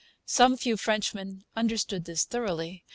Some few Frenchmen understood this thoroughly.